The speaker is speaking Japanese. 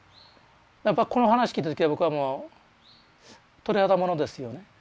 やっぱりこの話聞いた時は僕はもう鳥肌ものですよね。